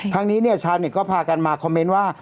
ทั้งนี้ชาวเน็ตก็พากันมาคอมเมนต์ว่า